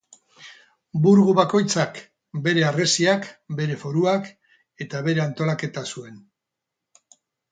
Burgu bakoitzak bere harresiak, bere foruak eta bere antolaketa zuen.